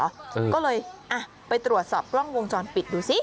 อืมอืมก็เลยไปตรวจสอบล่องวงจรปิดดูซิ